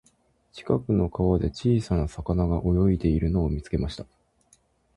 近くの川で、小さな魚が泳いでいるのを見つけました。